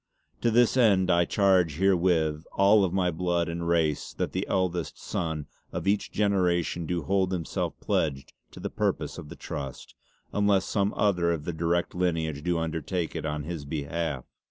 To this end I charge herewith all of my blood and race that the eldest sonne of each generation do hold himself pledged to the purpose of the Trust, unless some other of the direct lineage do undertake it on his behalf.